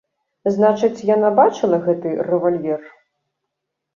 Значыць, яна бачыла гэты рэвальвер?